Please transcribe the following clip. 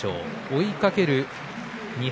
追いかける２敗